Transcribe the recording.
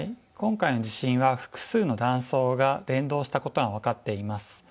今回の地震は複数の断層が連動したことが分かっています。